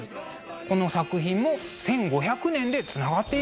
この作品も１５００年でつながっているんですね。